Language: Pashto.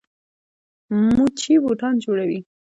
موچي بوټان جوړوي.